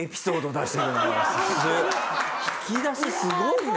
引き出しすごいな。